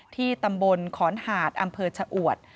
ที่ตำบลขอนหาดอำเภอชะอวด